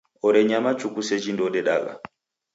Orenyama chuku seji ndoudedagha.